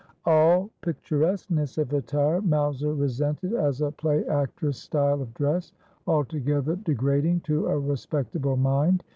All picturesqueness of attire Mowser resented as a play actress style of dress, altogether degrading to a respectable mind.